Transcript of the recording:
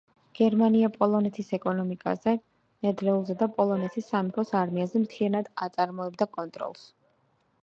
გერმანია პოლონეთის ეკონომიკაზე, ნედლეულზე და პოლონეთის სამეფოს არმიაზე მთლიანად აწარმოებდა კონტროლს.